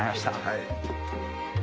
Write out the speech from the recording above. はい。